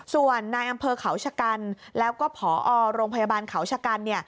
ส่วนนายอำเภอเขาชะกันแล้วก็ผอโรงพยาบาลเขาชะกัน